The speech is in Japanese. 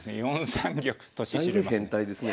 ４三玉。